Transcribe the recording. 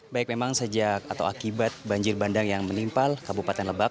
baik memang sejak atau akibat banjir bandang yang menimpa kabupaten lebak